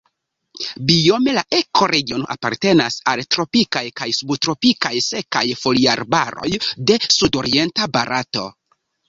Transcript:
Biome la ekoregiono apartenas al tropikaj kaj subtropikaj sekaj foliarbaroj de sudorienta Barato.